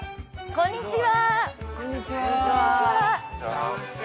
こんにちは。